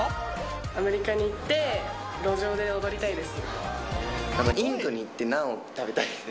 アメリカに行って、路上で踊りたいです。